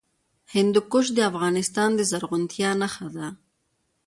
هندوکش د افغانستان د زرغونتیا نښه ده.